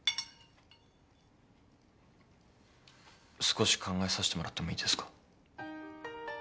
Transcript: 少し考えさしてもらってもいいですか？